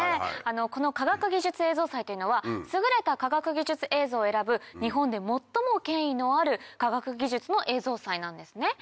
この科学技術映像祭というのは優れた科学技術映像を選ぶ日本で最も権威のある科学技術の映像祭なんですね。